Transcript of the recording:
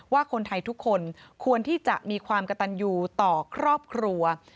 ว่าคนไทยทุกคนควรที่จะมีความกระตันยูต่อครอบครัว